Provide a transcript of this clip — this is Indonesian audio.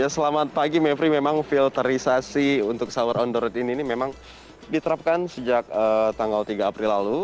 selamat pagi mepri memang filterisasi untuk sahur on the road ini memang diterapkan sejak tanggal tiga april lalu